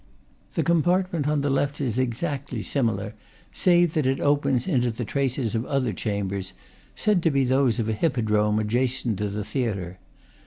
The compartment on the left is exactly similar, save that it opens into the traces of other chambers, said to be those of a hippodrome adjacent to the theatre.